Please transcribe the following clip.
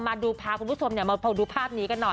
มาดูพาคุณผู้ชมมาดูภาพนี้กันหน่อย